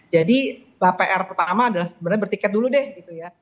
jadi apr pertama adalah sebenarnya bertiket dulu deh gitu ya